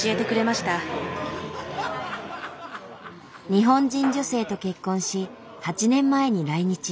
日本人女性と結婚し８年前に来日。